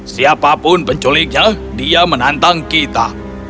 siapapun penculiknya dia menantang kita